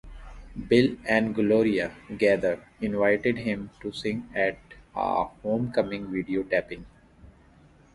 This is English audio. Bill and Gloria Gaither invited him to sing at a Homecoming video taping.